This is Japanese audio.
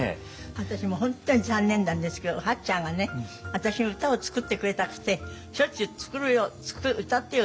私も本当に残念なんですけど八ちゃんが私に歌を作ってくれたくてしょっちゅう「作るよ歌ってよ。